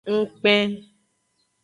Ngkpen.